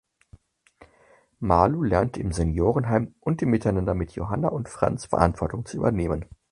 Malu lernt im Seniorenheim und im Miteinander mit Johanna und Franz Verantwortung zu übernehmen.